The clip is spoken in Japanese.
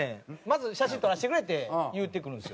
まず写真撮らせてくれって言うてくるんですよ。